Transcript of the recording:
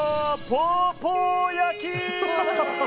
ポーポー焼き！